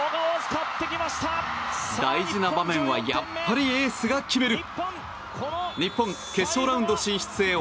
大事な場面はやっぱりエースが決める。